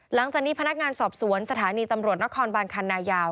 หลังจากนี้พนักงานสอบสวนสถานีตำรวจนครบานคันนายาว